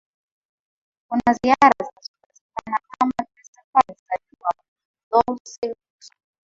Kuna ziara zinazopatikana kama vile safari za jua kwenye Dhow sailboat